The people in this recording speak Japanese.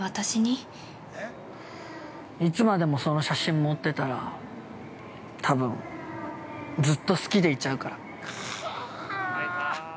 いつまでもその写真持ってたら、多分ずっと好きでいちゃうから。